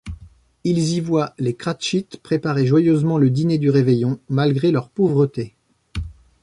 Ils y voient les Cratchit préparer joyeusement le dîner du réveillon, malgré leur pauvreté.